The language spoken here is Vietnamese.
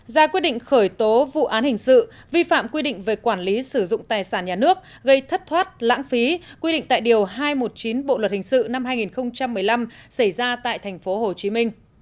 ra quyết định khởi tố vụ án hình sự vi phạm quy định về quản lý sử dụng tài sản nhà nước gây thất thoát lãng phí quy định tại điều hai trăm một mươi chín bộ luật hình sự năm hai nghìn một mươi năm xảy ra tại tp hcm